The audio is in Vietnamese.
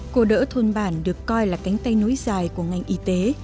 cô đỡ thôn bản được coi là cánh tay nối dài của ngành y tế